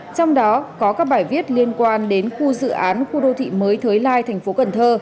trong đó có các bài viết liên quan đến khu dự án khu đô thị mới thới lai tp cn